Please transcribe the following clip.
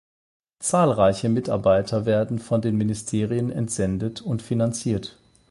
Zahlreiche Mitarbeiter werden von den Ministerien entsendet und finanziert.